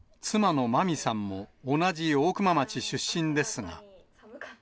妻の麻美さんも、同じ大熊町出身ですが。